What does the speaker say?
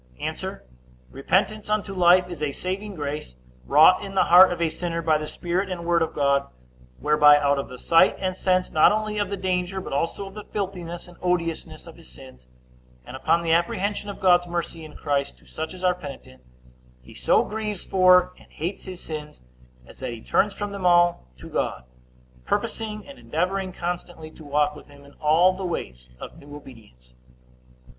A. Repentance unto life is a saving grace, wrought in the heart of a sinner by the Spirit and Word of God, whereby, out of the sight and sense, not only of the danger, but also of the filthiness and odiousness of his sins, and upon the apprehension of God's mercy in Christ to such as are penitent, he so grieves for and hates his sins, as that he turns from them all to God, purposing and endeavoring constantly to walk with him in all the ways of new obedience.